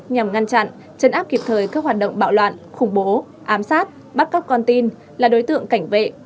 nhằm ngăn chặn chấn áp kịp thời các hoạt động bạo loạn khủng bố ám sát bắt cóc con tin là đối tượng cảnh vệ